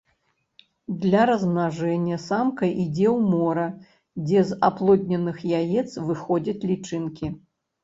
Для размнажэння самка ідзе ў мора, дзе з аплодненых яец выходзяць лічынкі.